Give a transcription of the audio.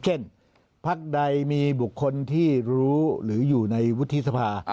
พักใดมีบุคคลที่รู้หรืออยู่ในวุฒิสภา